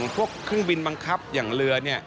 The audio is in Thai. เครื่องบินบังคับอย่างเรือ